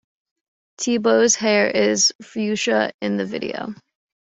T-Boz's hair is fuchsia in the video.